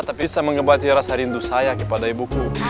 tapi bisa mengembali rasa rindu saya kepada ibuku